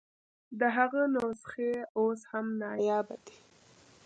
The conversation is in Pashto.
د هغه نسخې اوس هم نایابه دي.